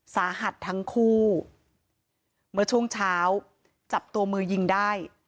สาหัสทั้งคู่เมื่อช่วงเช้าจับตัวมือยิงได้